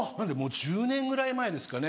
１０年ぐらい前ですかね